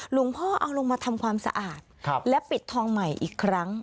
หลวงพ่อเอาลงมาทำความสะอาดและปิดทองใหม่อีกครั้ง